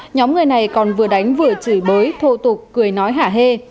nhóm người này còn vừa đánh vừa chửi bới thô tục cười nói hả hê